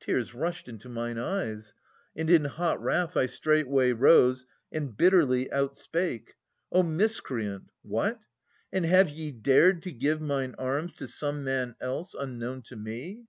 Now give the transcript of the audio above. Tears rushed into mine eyes, and in hot wrath I straightway rose, and bitterly outspake :' O miscreant ! What ? And have ye dared to give Mine arms to some man else, unknown to me